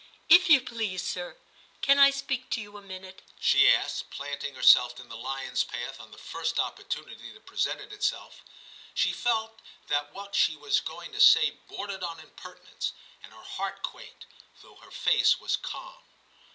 * If you please, sir, can I speak to you a 248 TIM CHAP. minute ?' she asked, planting herself in the lion's path on the first opportunity that pre sented Itself. She felt that what she was going to say bordered on impertinence, and her heart quaked, though her face was calm.